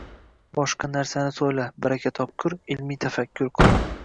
boshqa narsani so‘yla, baraka topkur. Ilmiy tafakkur qil.